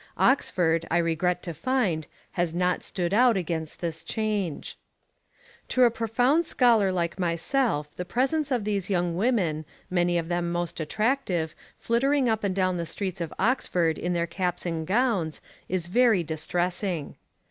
Oxford, I regret to find, has not stood out against this change. To a profound scholar like myself, the presence of these young women, many of them most attractive, flittering up and down the streets of Oxford in their caps and gowns, is very distressing.